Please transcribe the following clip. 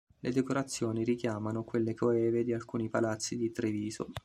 Le decorazioni richiamano quelle coeve di alcuni palazzi di Treviso.